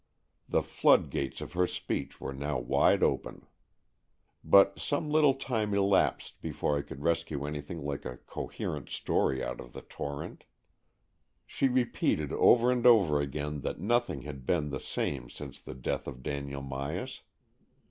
The flood gates of her speech were now wide open. But some little time elapsed before I could rescue anything like a coherent story out of the torrent. She repeated over and over again that nothing had been the same since the death of Daniel Myas.